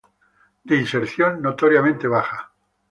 De inserción notoriamente baja.